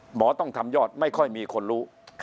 หมอต้องทำยอดไม่ค่อยมีคนรู้